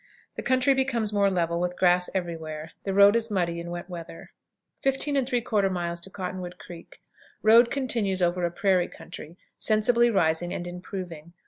The country becomes more level, with grass every where. The road is muddy in wet weather. 15 3/4. Cottonwood Creek. Road continues over a prairie country, sensibly rising and improving.